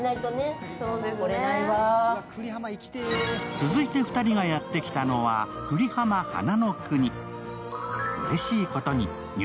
続いて２人がやってきたのは、くりはま花の国。